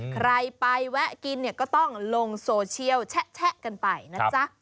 ใครไปแวะกินเนี่ยก็ต้องลงโซเชียลแชะกันไปนะจ๊ะ